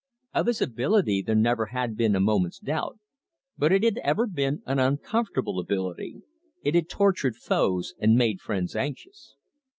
Of his ability there never had been a moment's doubt, but it had ever been an uncomfortable ability, it had tortured foes and made friends anxious.